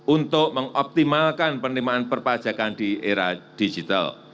untuk mengoptimalkan penerimaan perpajakan di era digital